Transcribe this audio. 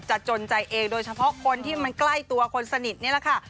จนใจเองโดยเฉพาะคนที่มันใกล้ตัวคนสนิทนี่แหละค่ะ